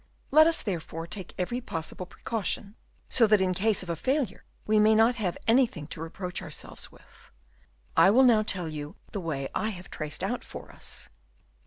Let us, therefore, take every possible precaution, so that in case of a failure we may not have anything to reproach ourselves with. I will now tell you the way I have traced out for us."